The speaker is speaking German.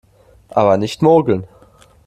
Aber nicht mogeln!